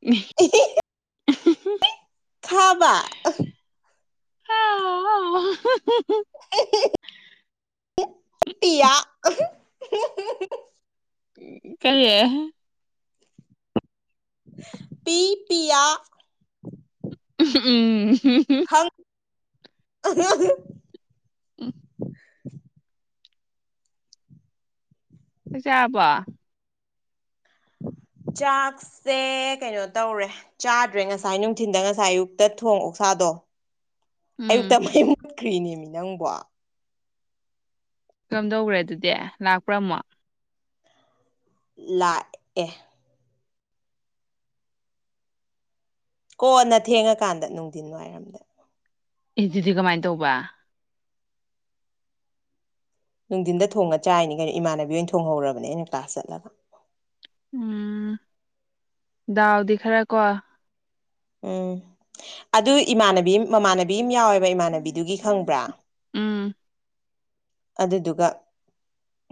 ꯎ ꯏ ꯎ ꯊꯥꯕ ꯑꯣ ꯇꯌꯥ ꯀꯔꯤꯦ ꯄꯤ ꯄꯤꯌꯥ ꯎꯝꯝꯝ ꯍꯪ ꯎꯝ ꯖꯥꯕꯣ ꯆꯥꯛ ꯁꯦ ꯀꯩꯅꯣ ꯇꯧꯔꯦ ꯆꯥꯗ꯭ꯔꯦ ꯉꯁꯥꯏ ꯅꯨꯡꯊꯤꯟꯗ ꯉꯁꯥꯏ ꯑꯌꯨꯛꯇ ꯊꯣꯡ ꯑꯣꯛꯁꯥꯗꯣ ꯑꯌꯨꯛꯇ ꯎꯝ ꯃꯩ ꯃꯨꯠꯈ꯭ꯔꯤꯅꯦꯃꯤ ꯅꯪꯕꯣ ꯀꯣꯝꯗꯧꯈ꯭ꯔꯦ ꯑꯗꯨꯗꯤ ꯂꯥꯛꯄ꯭ꯔꯝꯃꯣ ꯂꯥꯛꯑꯦ ꯀꯣꯅ ꯊꯦꯡꯉꯀꯥꯟꯗ ꯅꯨꯡꯊꯤꯟ ꯋꯥꯏꯔꯝꯗ ꯑꯦ ꯑꯗꯨꯗꯤ ꯀꯃꯥꯏꯅ ꯇꯧꯕ ꯅꯨꯡꯊꯤꯟꯗ ꯊꯣꯡꯉ ꯆꯥꯏꯅꯤ ꯀꯩꯅꯣ ꯏꯃꯥꯟꯅꯕꯤ ꯑꯣꯏꯅ ꯊꯣꯡꯍꯧꯔꯕꯅꯦ ꯑꯩꯅ ꯀ꯭ꯂꯥꯁ ꯆꯠꯂꯒ ꯎꯝ ꯗꯥꯎꯗꯤ ꯈꯔ ꯀꯣ ꯎꯝ ꯑꯗꯨ ꯏꯃꯥꯟꯅꯕꯤ ꯃꯃꯥꯟꯅꯕꯤ ꯑꯃ ꯌꯥꯎꯋꯦꯕ ꯏꯃꯥꯟꯅꯕꯤꯗꯨꯒꯤ ꯈꯪꯕ꯭ꯔꯥ ꯎꯝ ꯑꯗꯨꯗꯨꯒ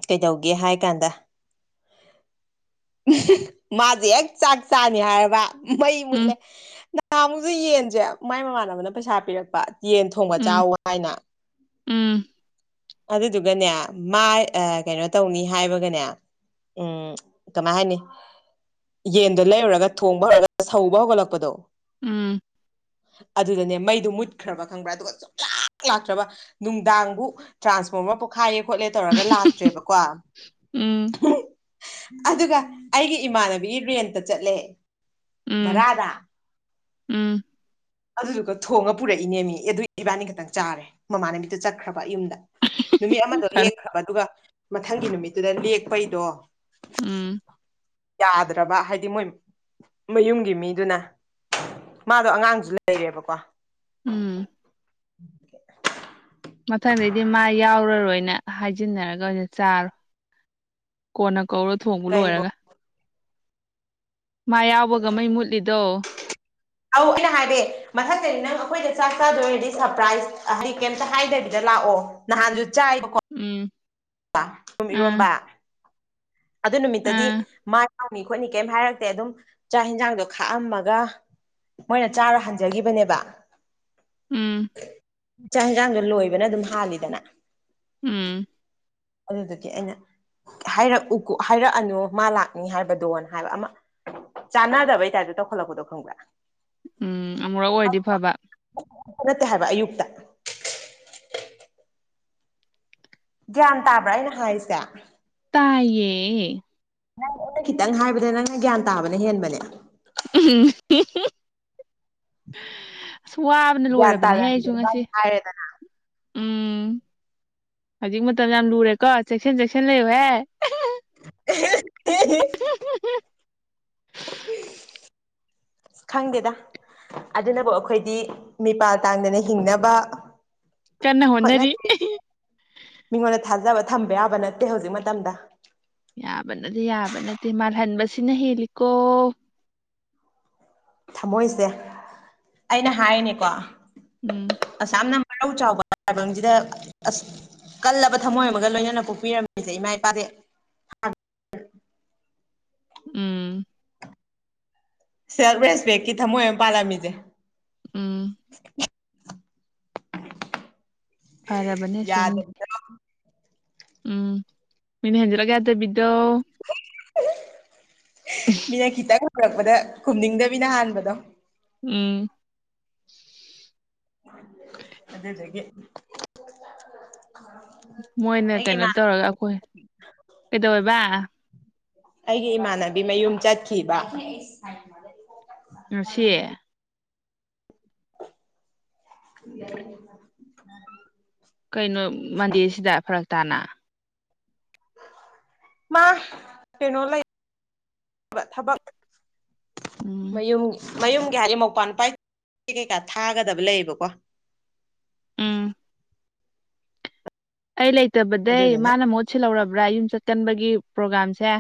ꯀꯩꯗꯧꯒꯦ ꯍꯥꯏ ꯀꯥꯟꯗ ꯃꯥꯁꯦ ꯍꯦꯛ ꯆꯥꯛ ꯆꯥꯅꯤ ꯍꯥꯏꯔꯕ ꯃꯩ ꯎꯝ ꯃꯨꯠꯂꯦ ꯉꯥꯃꯨꯛꯁꯦ ꯌꯦꯟꯁꯦ ꯃꯥꯏ ꯃꯃꯥꯟꯅꯕꯅ ꯄꯩꯁꯥ ꯄꯤꯔꯛꯄ ꯌꯦꯟ ꯊꯣꯡꯕ ꯎꯝ ꯆꯥꯎꯋ ꯍꯥꯏꯅ ꯎꯝ ꯑꯗꯨꯗꯨꯒꯅꯦ ꯃꯥ ꯀꯩꯅꯣ ꯇꯧꯅꯤ ꯍꯥꯏꯕꯒꯅꯦ ꯎꯝ ꯀꯃ ꯍꯥꯏꯅꯤ ꯌꯦꯟꯗꯣ ꯂꯩꯔꯨꯔꯒ ꯊꯣꯡꯕ ꯍꯧꯔꯒ ꯁꯧꯕ ꯍꯧꯒꯠꯂꯛꯄꯗꯣ ꯎꯝ ꯑꯗꯨꯗꯅꯦ ꯃꯩꯗꯨ ꯃꯨꯠꯈ꯭ꯔꯕ ꯈꯪꯕ꯭ꯔꯥ ꯑꯗꯨꯒ ꯆꯨꯝꯂꯥꯛ ꯂꯥꯛꯇ꯭ꯔꯕ ꯅꯨꯡꯗꯥꯡꯕꯨ ꯇ꯭ꯔꯥꯟꯁꯐꯣꯔꯃꯔ ꯄꯣꯛꯈꯥꯏꯌꯦꯦ ꯈꯣꯠꯂꯦ ꯇꯧꯔꯒ ꯂꯥꯛꯇ꯭ꯔꯦꯕꯀꯣ ꯎꯝ ꯑꯗꯨꯒ ꯑꯩꯒꯤ ꯏꯃꯥꯟꯅꯕꯤ ꯔꯦꯟꯇ ꯆꯠꯂꯦ ꯎꯝ ꯚꯔꯥꯗ ꯎꯝ ꯑꯗꯨꯗꯨꯒ ꯊꯣꯡꯉ ꯄꯨꯔꯛꯏꯅꯦ ꯃꯤ ꯑꯦ ꯑꯗꯨꯏ ꯏꯕꯥꯅꯤ ꯈꯛꯇꯪ ꯆꯥꯔꯦ ꯃꯃꯥꯅ ꯃꯤꯗꯨ ꯆꯠꯈ꯭ꯔꯕ ꯌꯨꯝꯗ ꯅꯨꯃꯤꯠ ꯑꯃꯗꯣ ꯐꯔꯦ ꯂꯦꯛꯈ꯭ꯔꯕ ꯑꯗꯨꯒ ꯃꯊꯪꯒꯤ ꯅꯨꯃꯤꯠꯇꯨꯗ ꯂꯦꯛꯄꯩꯗꯣ ꯎꯝ ꯌꯥꯗ꯭ꯔꯕ ꯍꯥꯏꯗꯤ ꯃꯣꯏ ꯃꯌꯨꯝꯒꯤ ꯃꯤꯗꯨꯅ ꯃꯥꯗꯣ ꯑꯉꯥꯡꯁꯨ ꯂꯩꯔꯦꯕꯀꯣ ꯎꯝ ꯃꯊꯪꯗꯩꯗꯤ ꯃꯥ ꯌꯥꯎꯔꯔꯣꯏꯅ ꯍꯥꯏꯖꯤꯟꯅꯔꯒ ꯑꯣꯏꯅ ꯆꯥꯔꯣ ꯀꯣꯟꯅ ꯀꯧꯔ ꯊꯣꯡꯕ ꯀꯩꯕꯣ ꯂꯣꯏꯔꯒ ꯃꯥ ꯌꯥꯎꯕꯒ ꯃꯩ ꯃꯨꯠꯂꯤꯗꯣ ꯑꯧ ꯑꯩꯅ ꯍꯥꯏꯕꯦ ꯃꯊꯛꯇꯗꯤ ꯅꯪ ꯑꯩꯈꯣꯏꯗ ꯆꯥꯛ ꯆꯥꯗꯣꯏꯔꯗꯤ ꯁꯔꯄ꯭ꯔꯥꯏꯖ ꯍꯥꯏꯗꯤ ꯀꯩꯝꯇ ꯍꯥꯏꯗꯕꯤꯗ ꯂꯥꯛꯑꯣ ꯅꯍ ꯆꯥꯏ ꯎꯝ ꯇꯨꯝ ꯏꯔꯣꯝꯕ ꯑꯥ ꯑꯗꯨ ꯅꯨꯃꯤꯠꯇꯗꯤ ꯑꯥ ꯃꯥꯏ ꯍꯥꯛꯅꯤ ꯈꯣꯠꯅꯤ ꯀꯩꯝ ꯍꯥꯏꯔꯛꯇꯦ ꯑꯗꯨꯝ ꯆꯥꯛ ꯌꯦꯟꯖꯥꯡꯗꯣ ꯈꯥꯛꯑꯝꯃꯒ ꯃꯣꯏꯅ ꯆꯥꯔ ꯍꯟꯖꯈꯤꯕꯅꯦꯕ ꯎꯝ ꯏ ꯆꯥꯡ ꯍꯟꯖꯥꯡꯗ ꯂꯣꯏꯕꯅ ꯑꯗꯨꯝ ꯍꯥꯜꯂꯤꯗꯅ ꯎꯝ ꯑꯗꯨꯗꯨꯗꯤ ꯑꯩꯅ ꯍꯥꯏꯔꯛꯎ ꯍꯥꯏꯔꯛꯑꯅꯨ ꯃꯥ ꯂꯥꯛꯅꯤ ꯍꯥꯏꯕꯗꯣꯅ ꯍꯥꯏꯕ ꯑꯃ ꯆꯥꯟꯅꯗꯕꯩ ꯇꯥꯏꯞꯇꯣ ꯇꯧꯈꯠꯂꯛꯄꯗꯣ ꯈꯪꯕ꯭ꯔꯥ ꯎꯝ ꯑꯃꯨꯔꯛ ꯑꯣꯏꯔꯗꯤ ꯐꯕ ꯈꯛꯇ ꯅꯠꯇꯦ ꯍꯥꯏꯕ ꯑꯌꯨꯛꯇ ꯒ꯭ꯌꯥꯟ ꯇꯥꯕ꯭ꯔꯥ ꯑꯩꯅ ꯍꯥꯏꯔꯤꯁꯦ ꯇꯌꯦ ꯅꯪ ꯑꯩꯅ ꯈꯤꯇꯪ ꯍꯥꯏꯕꯗ ꯅꯪꯅ ꯒ꯭ꯌꯥꯟ ꯇꯥꯕꯅ ꯍꯦꯟꯕꯅꯦ ꯎꯝ ꯑꯁ ꯋꯥꯕꯅ ꯒ꯭ꯌꯥꯟ ꯂꯣꯏꯔꯕꯅꯦꯍ ꯇꯥꯅꯕꯤꯗ ꯑꯩꯁꯨ ꯉꯁꯤ ꯏꯕꯥꯅꯤ ꯍꯥꯏꯔꯦꯗꯅ ꯎꯝ ꯍꯧꯖꯤꯛ ꯃꯇꯝ ꯌꯥꯝ ꯂꯨꯔꯦꯀꯣ ꯆꯦꯛꯁꯤꯟ ꯆꯦꯛꯁꯤꯟ ꯂꯩꯌꯍꯦ ꯍ ꯍ ꯈꯪꯗꯦꯗ ꯑꯗꯨꯅꯕꯨ ꯑꯩꯈꯣꯏꯗꯤ ꯃꯤꯄꯥꯜ ꯇꯥꯡꯗꯅ ꯍꯤꯡꯅꯕ ꯀꯟꯅ ꯍꯣꯠꯅꯦ ꯍꯣꯠꯅꯔꯤ ꯃꯤꯉꯣꯟꯗ ꯊꯥꯖꯕ ꯊꯝꯕ ꯌꯥꯕ ꯅꯠꯇꯦ ꯍꯧꯖꯤꯛ ꯃꯇꯝꯗ ꯌꯥꯕꯅꯗꯤ ꯌꯥꯕ ꯅꯠꯇꯦ ꯃꯥꯜꯍꯟꯕꯁꯤꯅ ꯍꯦꯜꯂꯤꯀꯣ ꯊꯝꯃꯣꯏꯁꯦ ꯑꯩꯅ ꯍꯥꯏꯔꯤꯅꯦꯀꯣ ꯎꯝ ꯑꯁꯥꯝꯅ ꯃꯔꯥꯎ ꯆꯥꯎꯕ ꯂꯥꯏꯕꯁꯤꯗ ꯑꯁ ꯀꯜꯂꯕ ꯊꯝꯃꯣꯏ ꯑꯃꯒ ꯂꯣꯏꯅꯅ ꯄꯣꯛꯄꯤꯔꯝꯃꯤꯁꯦ ꯏꯃꯥ ꯏꯄꯥꯗꯤ ꯎꯝ ꯁꯦꯜꯐ ꯔꯦꯁꯄꯦꯛꯀꯤ ꯊꯃꯣꯏ ꯑꯃ ꯄꯥꯜꯂꯝꯃꯤꯁꯦ ꯎꯝ ꯎ ꯐꯔꯕꯅꯦ ꯁꯤꯝꯗꯤ ꯌꯥꯗꯕꯤꯗ ꯎꯝ ꯃꯤꯅ ꯍꯦꯟꯖꯔꯒꯦꯗꯕꯤꯗꯣ ꯃꯤꯅ ꯈꯤꯇꯪ ꯍꯔꯛꯄꯗ ꯈꯨꯝꯅꯤꯡꯗꯕꯤꯅ ꯍꯥꯟꯕꯗꯣ ꯎꯝ ꯑꯗꯨꯗꯦ ꯑꯗꯨꯦ ꯃꯣꯏꯅ ꯀꯩꯅꯣ ꯇꯧꯔꯒ ꯑꯩꯈꯣꯏ ꯀꯩꯗꯧꯋꯦꯕ ꯑꯩꯒꯤ ꯏꯃꯥꯟꯅꯕꯤ ꯃꯌꯨꯝ ꯆꯠꯈꯤꯕ ꯉ ꯁꯤ ꯎ ꯀꯩꯅꯣ ꯃꯟꯗꯦꯁꯤꯗ ꯐꯔꯛ ꯇꯥꯅ ꯃꯥ ꯀꯩꯅꯣ ꯂꯩ ꯊꯕꯛ ꯎꯝ ꯃꯌꯨꯝ ꯃꯌꯨꯝꯒꯤ ꯍꯥꯏꯗꯤ ꯃꯧꯄꯥꯟꯄꯥ ꯀꯩꯀꯥ ꯊꯥꯒꯗꯕ ꯂꯩꯌꯦꯕꯀꯣ ꯎꯝ ꯑꯩ ꯂꯩꯇꯕꯗꯩ ꯑꯗꯨꯗꯨꯅ ꯃꯥꯅ ꯃꯍꯨꯠ ꯁꯤꯜꯍꯧꯔꯕ꯭ꯔꯥ ꯌꯨꯝ ꯆꯠꯀꯟꯕꯒꯤ ꯄ꯭ꯔꯣꯒꯥꯝꯁꯦ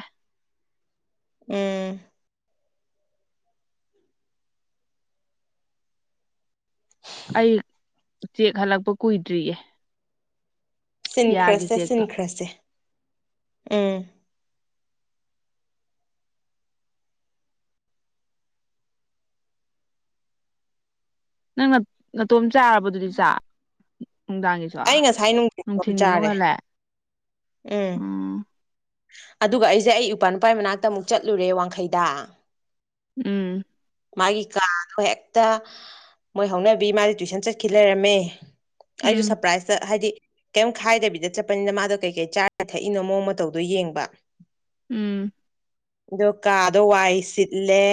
ꯎꯝ ꯑꯩ ꯆꯦꯛ ꯍꯜꯂꯛꯄ ꯀꯨꯏꯗ꯭ꯔꯤꯌꯦ ꯌꯥꯒꯤ ꯁꯤꯟꯈ꯭ꯔꯁꯦ ꯆꯦꯛꯇꯣ ꯁꯤꯟꯈ꯭ꯔꯁꯦ ꯎꯝ ꯅꯪ ꯅꯥꯇꯣꯝ ꯆꯥꯔꯕꯗꯨꯗꯤ ꯆꯥ ꯅꯨꯡꯗꯥꯡꯒꯤ ꯑꯩ ꯉꯁꯥꯏ ꯅꯨꯡꯊꯤꯟ ꯅꯨꯡꯊꯤꯟꯜꯒꯤ ꯆꯥꯔꯦ ꯅꯨꯡꯉꯜꯂꯦ ꯎꯝ ꯑꯗꯨꯒ ꯑꯩꯁꯦ ꯑꯩ ꯏꯄꯥ ꯅꯨꯄꯥ ꯃꯅꯥꯛꯇ ꯑꯃꯨꯛ ꯆꯠꯂꯨꯔꯦ ꯋꯥꯡꯈꯩꯗ ꯎꯝ ꯃꯥꯒꯤ ꯀꯥꯗꯣ ꯍꯦꯛꯇ ꯃꯣꯏ ꯍꯧꯅꯕꯤ ꯃꯥꯗꯤ ꯇꯨꯏꯁꯟ ꯆꯠꯈꯤ ꯂꯩꯔꯝꯃꯦ ꯑꯩꯁꯨ ꯎꯝ ꯁꯔꯄ꯭ꯔꯥꯏꯖꯇ ꯍꯥꯏꯗꯤ ꯀꯩꯝ ꯈꯥꯏꯗꯕꯤꯗ ꯆꯠꯄꯅꯤꯅ ꯃꯥꯗꯣ ꯀꯩ ꯀꯩ ꯆꯥꯔ ꯊꯛꯏꯅꯣ ꯃꯑꯣꯡ ꯃꯇ ꯇꯧꯗꯣ ꯌꯦꯡꯕ ꯎꯝ ꯑꯗꯣ ꯀꯥꯗꯣ ꯋꯥꯏ ꯁꯤꯠꯂꯦ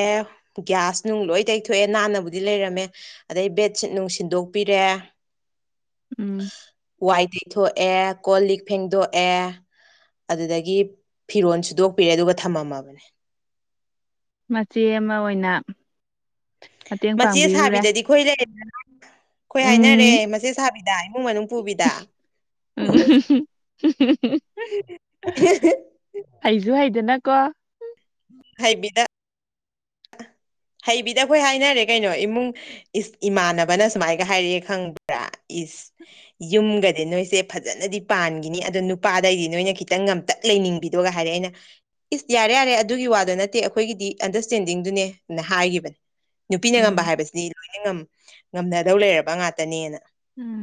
ꯒ꯭ꯌꯥꯁ ꯅꯨꯡ ꯂꯣꯏ ꯇꯩꯊꯣꯛꯑꯦ ꯅꯥꯟꯅꯕꯨꯗꯤ ꯂꯩꯔꯝꯃꯦ ꯑꯗꯩ ꯕꯦꯠꯁꯤꯠ ꯅꯨꯡ ꯁꯤꯟꯗꯣꯛꯄꯤꯔꯦ [inaudible] ꯎꯝ ꯋꯥꯏ ꯇꯩꯊꯣꯛꯑꯦ ꯀꯣꯜ ꯂꯤꯛ ꯐꯦꯡꯗꯣꯛꯑꯦ ꯑꯗꯨꯗꯒꯤ ꯐꯤꯔꯣꯜ ꯁꯨꯗꯣꯛꯄꯤꯔꯦ ꯑꯗꯨꯒ ꯊꯝꯃꯝꯃꯕꯅꯦ ꯃꯆꯦ ꯑꯃ ꯑꯣꯏꯅ ꯃꯇꯦꯡ ꯃꯆꯦ ꯄꯥꯡꯕꯤꯔꯨꯔꯦ ꯁꯥꯕꯤꯗꯗꯤ ꯑꯩꯈꯣꯏ ꯂꯩꯔꯗꯅ ꯑꯩꯈꯣꯏ ꯍꯥꯏꯅꯔꯦ ꯎꯝ ꯃꯆꯦꯠ ꯁꯥꯕꯤꯗ ꯏꯃꯨꯡ ꯃꯅꯨꯡ ꯄꯨꯕꯤꯗ ꯎꯝ [inaudible] ꯍꯩꯁꯨ ꯍꯩꯗꯅꯀꯣ ꯍꯥꯏꯩꯕꯤꯗ ꯍꯩꯕꯤꯗ ꯑꯩꯈꯣꯏ ꯍꯥꯏꯅꯔꯦ ꯀꯩꯅꯣ ꯏꯃꯨꯡ ꯏꯁ ꯏꯃꯥꯟꯅꯕꯅ ꯁꯨꯃꯥꯏꯒ ꯍꯥꯏꯔꯛꯑꯦ ꯈꯪꯕ꯭ꯔꯥ ꯏꯁ ꯌꯨꯝꯒꯗꯤ ꯅꯣꯏꯁꯦ ꯐꯖꯅꯗꯤ ꯄꯥꯟꯈꯤꯅꯤ ꯑꯗꯣ ꯅꯨꯄꯥꯗꯩꯗꯤ ꯅꯣꯏꯅ ꯈꯤꯇꯪ ꯇꯛ ꯂꯩꯅꯤꯡꯕꯤꯗꯒ ꯍꯥꯏꯔꯦ ꯑꯩꯅ ꯏꯁ ꯌꯥꯔꯦ ꯌꯥꯔꯦ ꯑꯗꯨꯒꯤ ꯋꯥꯗꯨꯣ ꯅꯠꯇꯦ ꯑꯩꯈꯣꯏꯒꯤꯗꯤ ꯑꯟꯗꯔꯁꯇꯦꯟꯗꯤꯡꯗꯨꯅꯦ ꯍꯥꯏꯈꯤꯕꯅꯦ ꯅꯨꯄꯤꯅ ꯉꯝꯕ ꯎꯝ ꯍꯥꯏꯕꯁꯤꯗꯤ ꯂꯣꯏꯅ ꯉꯝꯅꯗꯧ ꯂꯩꯔꯕ ꯉꯥꯛꯇꯅꯦꯅ ꯎꯝ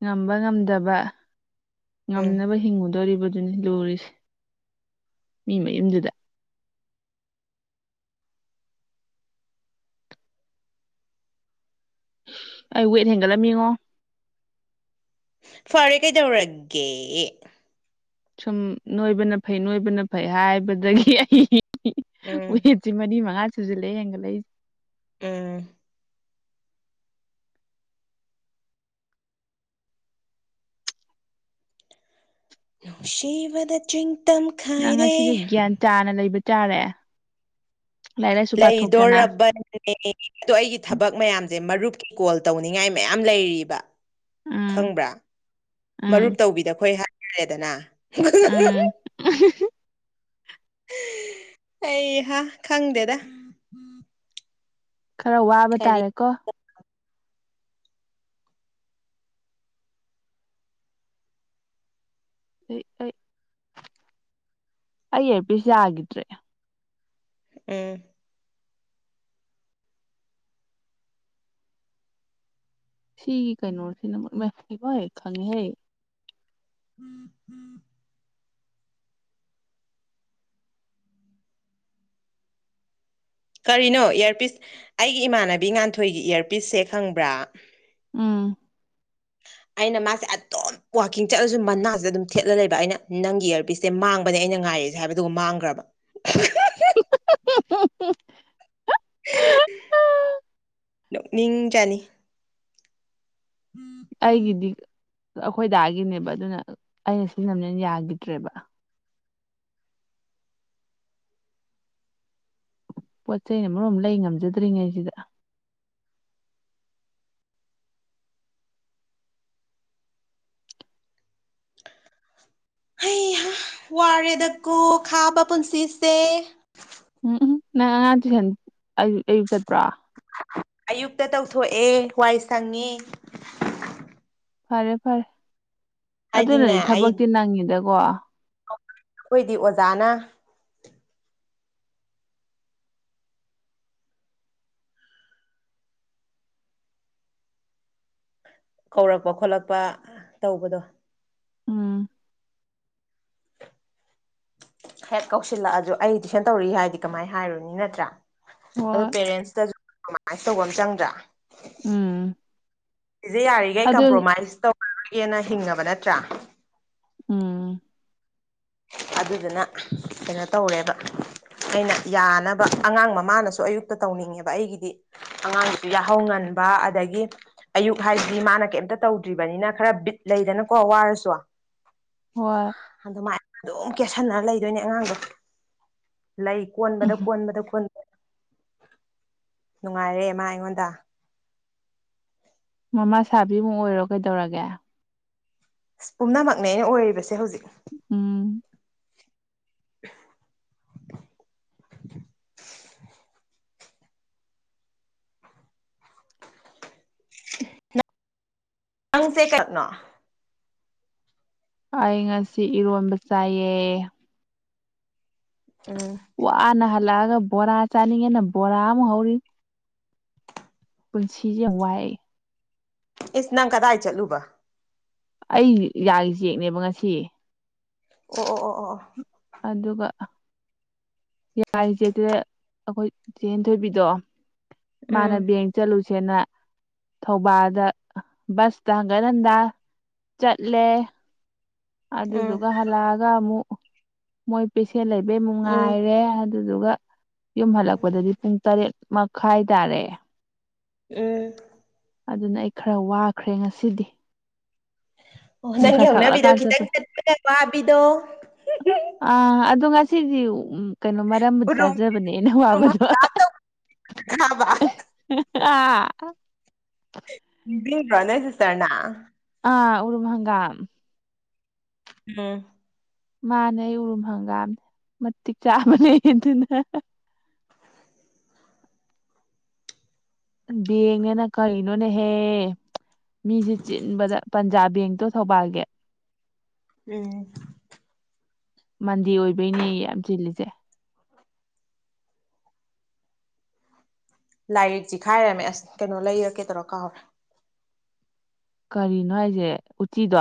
ꯉꯝꯕ ꯉꯝꯗꯕ ꯎꯝ ꯉꯝꯅꯕ ꯍꯤꯡꯉꯨꯗꯣꯔꯤꯕ ꯑꯗꯨꯅꯤ ꯂꯣꯔꯤꯁꯦ ꯃꯤ ꯃꯌꯨꯝꯗꯨꯗ ꯑꯩ ꯋꯦꯠ ꯍꯦꯟꯒꯠꯂꯝꯃꯤꯉꯣ ꯐꯔꯦ ꯀꯩꯗꯧꯔꯒꯦ ꯁꯨꯝ ꯅꯣꯏꯕꯅ ꯐꯩ ꯅꯣꯏꯕꯅ ꯐꯩ ꯍꯥꯏꯕꯗꯒꯤ ꯎꯝ ꯑꯩ ꯁꯤ ꯃꯔꯤ ꯃꯉꯥ ꯁꯨꯁꯤꯜꯂꯦ ꯍꯦꯟꯒꯠꯂꯛꯏ ꯑ ꯕꯗ ꯆꯨ ꯅꯪ ꯉꯁꯤꯗꯤ ꯒ꯭ꯌꯥꯟ ꯆꯥꯅ ꯂꯩꯕ ꯆꯥꯔꯦ ꯂꯩꯗꯣꯕꯅꯦꯅꯦ ꯑꯗꯣ ꯑꯩꯒꯤ ꯊꯕꯛ ꯃꯌꯥꯝꯁꯦ ꯃꯔꯨꯞꯀꯤ ꯀꯣꯜ ꯇꯧꯅꯤꯡꯉꯥꯏ ꯃꯌꯥꯝ ꯂꯩꯔꯤꯕ ꯎꯝ ꯈꯪꯕ꯭ꯔꯥ ꯃꯔꯨꯞ ꯎꯝ ꯇꯧꯕꯤꯗ ꯑꯩꯈꯣꯏ ꯍꯥꯏꯇꯥꯔꯦꯗꯅ [inaudible] ꯑꯩꯍꯥ ꯈꯪꯗꯦꯗ ꯈꯔ ꯋꯥꯕ ꯀꯔꯤ ꯇꯥꯔꯦꯀꯣ ꯑꯩ ꯑꯩ ꯑꯩ ꯑꯦꯔꯄꯤꯁ ꯌꯥꯈꯤꯗ꯭ꯔꯦ ꯎꯝ ꯁꯤꯒꯤ ꯀꯩꯅꯣꯁꯤꯅ ꯃꯕ ꯈꯪꯉꯦꯍꯦ ꯎꯝ ꯎꯝ ꯀꯔꯤꯅꯣ ꯏꯌꯔꯄꯤꯁ ꯑꯩꯒꯤ ꯏꯃꯥꯟꯅꯕꯤ ꯉꯥꯟꯊꯣꯏꯒꯤ ꯏꯌꯔꯄꯤꯁꯁꯦ ꯈꯪꯕ꯭ꯔꯥ ꯎꯝ ꯑꯩꯅ ꯃꯥꯁꯦ ꯑꯗꯨꯇꯝ ꯋꯥꯋꯥꯛꯀꯤꯡ ꯆꯠꯂꯁꯨ ꯃꯅꯥꯁꯦ ꯑꯗꯨꯝ ꯊꯦꯠꯂ ꯂꯩꯕ ꯑꯩꯅ ꯅꯪꯒꯤ ꯏꯌꯥꯔꯕꯤꯁ ꯏꯦ ꯃꯥꯡꯕꯅꯦ ꯑꯩꯅ ꯉꯥꯏꯔꯤꯦꯁꯦ ꯍꯥꯏꯕꯗꯨꯒ ꯃꯥꯡꯈ꯭ꯔꯕ [inaudible] ꯅꯣꯛꯅꯤꯡ ꯆꯥꯅꯤ ꯑꯩꯒꯤꯗꯤ ꯑꯩꯈꯣꯏꯗꯥꯒꯤꯅꯦꯕ ꯑꯗꯨꯅ ꯑꯩꯅ ꯁꯤꯖꯤꯟꯅꯕꯅꯦꯅ ꯌꯥꯒꯤꯗ꯭ꯔꯦꯕ꯫ ꯄꯣꯠ ꯆꯩꯩꯅ ꯃꯔꯣꯝ ꯂꯩ ꯉꯝꯖꯗ꯭ꯔꯤꯉꯩꯁꯤꯗ ꯑꯩ ꯋꯥꯔꯦꯗꯀꯣ ꯈꯥꯕ ꯄꯨꯟꯁꯤꯁꯦ ꯎꯝ ꯎꯝ ꯅꯪ ꯑꯉꯥꯡ ꯇꯨꯏꯁꯟ ꯑꯌꯛ ꯑꯌꯨꯛ ꯆꯠꯄ꯭ꯔꯥ ꯑꯌꯨꯛꯇ ꯇꯧꯊꯣꯛꯑꯦ ꯋꯥꯏ ꯁꯪꯉ ꯐꯔꯦ ꯐꯔꯦ ꯍꯥꯏꯗꯤꯅꯦ ꯑꯗꯨꯅꯗꯤ ꯑꯩ ꯊꯕꯛꯇꯤ ꯅꯪꯉꯤꯗꯀꯣ ꯑꯩꯈꯣꯏꯗꯤ ꯑꯣꯖꯥꯅ ꯀꯧꯔꯛꯄ ꯈꯣꯠꯂꯛꯄ ꯇꯧꯕꯗꯣ ꯎꯝ ꯍꯦꯛ ꯀꯧꯁꯤꯜꯂꯛꯑꯁꯨ ꯑꯩ ꯇꯨꯏꯁꯟ ꯇꯧꯔꯛꯏ ꯍꯥꯏꯗꯤ ꯀꯃꯥꯏꯅ ꯍꯥꯏꯔꯨꯅꯤ ꯅꯠꯇ꯭ꯔꯥ ꯑꯗꯣ ꯍꯣꯏ ꯄꯦꯔꯦꯟꯁꯇꯁꯨꯃꯥꯏꯁ ꯇꯧꯕ ꯑꯃ ꯆꯪꯗ꯭ꯔꯥ ꯎꯝ ꯁꯤꯁꯦ ꯌꯥꯔꯤꯈꯩ ꯑꯗꯨ ꯀꯝꯄ꯭ꯔꯣꯃꯥꯏꯁ ꯇꯧꯔꯔꯒꯦꯅ ꯍꯤꯡꯉꯅꯕ ꯅꯠꯇ꯭ꯔꯥ ꯎꯝ ꯑꯗꯨꯗꯨꯅ ꯀꯩꯅꯣ ꯇꯧꯔꯦꯕ ꯑꯩꯅ ꯌꯥꯅꯕ ꯑꯉꯥꯡ ꯃꯃꯥꯅꯁꯨ ꯑꯌꯨꯛꯇ ꯇꯧꯅꯤꯡꯉꯦꯕ ꯑꯩꯒꯤꯗꯤ ꯑꯉꯥꯡꯁꯤ ꯌꯥꯥꯍꯧ ꯉꯟꯕ ꯑꯗꯒꯤ ꯑꯌꯨꯛ ꯍꯥꯏꯗꯤ ꯃꯥꯅ ꯀꯩꯝꯇ ꯇꯧꯗ꯭ꯔꯤꯕꯅꯤꯅ ꯈꯔ ꯕꯤꯠ ꯂꯩꯗꯅꯀꯣ ꯋꯥꯔꯁꯨ ꯍꯣꯏ ꯑꯗꯨꯃꯥꯏ ꯑꯗꯨꯝ ꯀꯦꯠꯁꯟꯅꯔ ꯂꯩꯗꯣꯏꯅꯦ ꯑꯉꯥꯡꯗꯣ ꯂꯩ ꯀꯣꯟꯕꯗ ꯎꯝ ꯀꯣꯟꯕꯗ ꯀꯣꯟꯕꯗ ꯅꯨꯡꯉꯥꯏꯔꯦ ꯃꯥ ꯑꯩꯉꯣꯟꯗ ꯃꯃꯥ ꯁꯥꯕꯤꯃꯨꯛ ꯑꯣꯏꯔꯣ ꯀꯩꯗꯧꯔꯒꯦ ꯑꯁ ꯄꯨꯝꯅꯃꯛꯅꯦ ꯑꯩꯅ ꯑꯣꯏꯔꯤꯕꯁꯦ ꯍꯧꯖꯤꯛ ꯎꯝ [unintelligible] ꯅꯪ ꯁꯦ ꯀꯞꯅꯣ ꯑꯩ ꯉꯁꯤ ꯏꯔꯣꯟꯕ ꯆꯥꯏꯌꯦ ꯎꯝ ꯋꯥꯅ ꯍꯜꯂꯛꯑꯒ ꯕꯣꯔꯥ ꯆꯥꯅꯤꯡꯉꯦꯅ ꯕꯣꯔꯥ ꯑꯃꯨꯛ ꯍꯧꯔꯤ ꯄꯨꯟꯁꯤꯁꯦ ꯌꯥꯝ ꯋꯥꯏ ꯏꯁ ꯅꯪ ꯀꯗꯥꯏ ꯆꯠꯂꯨꯕ ꯑꯩꯒꯤ ꯌꯥꯒꯤ ꯆꯦꯛꯅꯦꯕ ꯉꯁꯤ ꯑꯣ ꯑꯣ ꯑꯣ ꯑꯣ ꯑꯣ ꯑꯗꯨꯒ ꯌꯥꯔꯤ ꯆꯦꯛꯇꯦ ꯑꯩꯈꯣꯏ ꯆꯦꯟꯊꯣꯏꯕꯤꯗꯣ ꯃꯥꯅ ꯎꯝ ꯕꯦꯡ ꯆꯂꯨꯁꯦꯅ ꯊꯧꯕꯥꯜꯗ ꯕꯁꯇ ꯍꯟꯒꯠ ꯍꯟꯗꯥ ꯆꯠꯂꯦ ꯎꯝ ꯑꯗꯨꯗꯨꯒ ꯍꯜꯂꯛꯑꯥꯒ ꯑꯃꯨꯛ ꯃꯣꯏ ꯄꯦꯁꯦꯟ ꯂꯩꯕꯩ ꯑꯃꯨꯛ ꯉꯥꯏꯔꯦ ꯑꯗꯨꯗꯨꯒ ꯌꯨꯝ ꯍꯜꯂꯛꯄꯗꯗꯤ ꯄꯨꯡ ꯇꯔꯦꯠ ꯃꯈꯥꯏ ꯇꯥꯔꯦ ꯎꯝ ꯑꯗꯨꯅ ꯑꯩ ꯈꯔ ꯋꯥꯈ꯭ꯔꯦ ꯉꯁꯤꯗꯤ ꯑꯣ ꯅꯨꯡꯁꯥ ꯅꯪꯒꯤ ꯍꯧꯅꯕꯤꯗꯣ ꯁꯥꯒꯠꯂꯀꯥꯟ ꯈꯤꯇꯪ ꯆꯠꯄꯩ ꯆꯠꯄꯒ ꯋꯥꯕꯤꯗꯣ ꯑ ꯑꯗꯣ ꯉꯁꯤꯗꯤ ꯎ ꯀꯩꯅꯣ ꯃꯔꯝꯕꯨꯗꯤ ꯎꯔꯨꯝ ꯆꯥꯖꯕꯅꯦ ꯑꯩꯅ ꯋꯥꯕꯗꯣ ꯍꯪꯒꯥꯝ ꯇꯧꯈ꯭ꯔꯕ ꯍꯦ ꯍꯥ ꯕꯦꯕꯔꯥꯅꯦ ꯁꯤꯁꯇꯔꯅ ꯑ ꯎꯔꯨꯝ ꯍꯡꯒꯥꯝ ꯎꯝ ꯃꯥꯅꯦ ꯑꯩ ꯎꯔꯨꯝ ꯍꯪꯒꯥꯝꯅꯦ ꯃꯇꯤꯛ ꯆꯥꯕꯅꯦ ꯑꯗꯨꯅ ꯕꯦꯟꯀ ꯅꯦꯅꯥ ꯀꯔꯤ ꯅꯣ ꯅꯥ ꯍꯦ ꯃꯤꯁꯦ ꯆꯤꯟꯕꯗ ꯄꯟꯖꯥꯕ ꯕꯦꯡꯛꯇꯣ ꯊꯧꯕꯥꯜꯒꯤ ꯎꯝ ꯃꯟꯗꯦ ꯑꯣꯏꯕꯩꯅꯦꯌꯦ ꯌꯥꯝ ꯆꯤꯜꯂꯤꯁꯦ ꯂꯥꯏꯔꯤꯛ ꯆꯤꯛꯈꯥꯏꯔꯝꯃꯦ ꯑꯁ ꯀꯩꯅꯣ ꯂꯩꯔ ꯀꯦ ꯇꯧꯔ ꯀꯥꯎꯔꯦ ꯀꯔꯤꯅꯣ ꯍꯥꯏꯁꯦ ꯎꯆꯤꯗꯣ